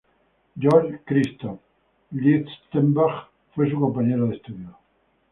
Georg Christoph Lichtenberg fue su compañero de estudios.